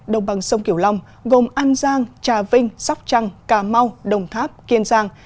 đồng bằng sông kiểu long gồm an giang trà vinh sóc trăng cà mau đồng tháp kiên giang